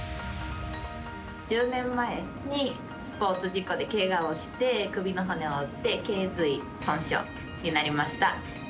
１０年前にスポーツ事故でけがをして、首の骨を折ってけい椎損傷になりました。